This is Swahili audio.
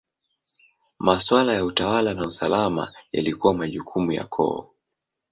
Maswala ya utawala na usalama yalikuwa majukumu ya koo.